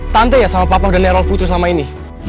tante ya sama papa general putri selama ini